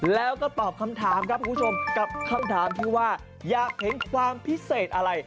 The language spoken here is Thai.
แล้วก็ตอบคำถามครับคุณผู้ชมกับคำถามที่ว่าอยากเห็นความพิเศษอะไร